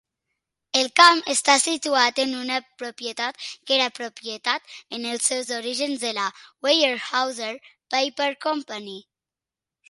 El camp està situat en una propietat que era propietat en els seus orígens de la Weyerhauser Paper Company.